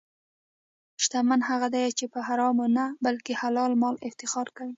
شتمن هغه دی چې په حرامو نه، بلکې حلال مال افتخار کوي.